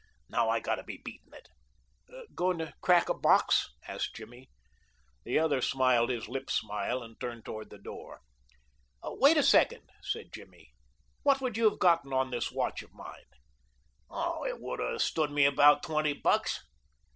Now I gotta be beatin' it." "Goin' to crack a box?" asked Jimmy. The other smiled his lip smile and turned toward the door. "Wait a second," said Jimmy. "What would you have gotten on this watch of mine?" "It would have stood me about twenty bucks."